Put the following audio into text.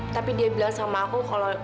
tapi dia bilang sama aku